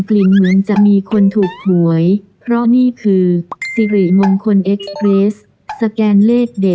กลิ่นเหมือนจะมีคนถูกหวยเพราะคือสิริมงคลสเอกส์